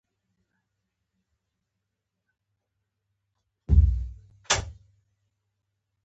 په هغه چا هېڅکله هم باور مه کوئ چې دروغ وایي.